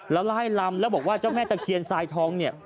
แล้วล่ายลำแล้วบอกว่าเจ้าแม่ตะเคียนทรายท้อง